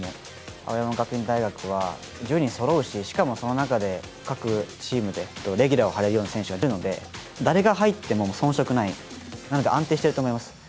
青山学院大学は１０人そろうし、しかもその中で各チームでレギュラーを張れるような選手がいるので、誰が入っても遜色ない、なので安定していると思います。